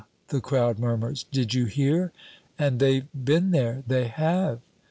the crowd murmurs, "did you hear? And they've been there, they have!"